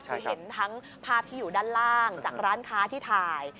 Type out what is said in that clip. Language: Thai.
คือเห็นทั้งภาพที่อยู่ด้านล่างจากร้านค้าที่ถ่าย